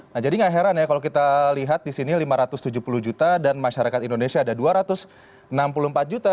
nah jadi gak heran ya kalau kita lihat di sini lima ratus tujuh puluh juta dan masyarakat indonesia ada dua ratus enam puluh empat juta